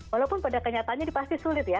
walaupun pada kenyataannya pasti sulit ya